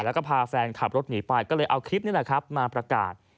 แล้วก็พาแฟนขับรถหนีไปก็เลยเอาคลิปนี้มาประกาศ